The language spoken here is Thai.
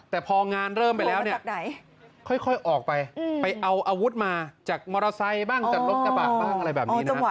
แต่พองานเริ่มไปแล้วเนี่ยค่อยออกไปไปเอาอาวุธมาจากมอเตอร์ไซค์บ้างจากรถกระบะบ้างอะไรแบบนี้นะครับ